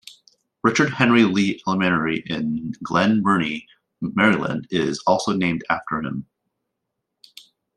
Richard Henry Lee Elementary in Glen Burnie, Maryland is also named after him.